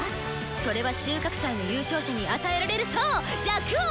それは収穫祭の優勝者に与えられるそう「若王」！